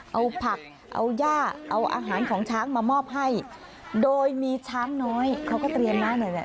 เอาผักเอาย่าเอาอาหารของช้างมามอบให้โดยมีช้างน้อยเขาก็เตรียมนะหน่อยเนี่ย